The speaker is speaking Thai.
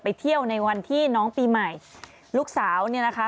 เที่ยวในวันที่น้องปีใหม่ลูกสาวเนี่ยนะคะ